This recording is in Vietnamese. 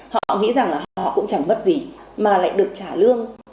họ nghĩ rằng là họ cũng chẳng mất gì mà lại được trả lương